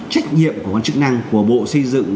trách nhiệm của quan chức năng của bộ xây dựng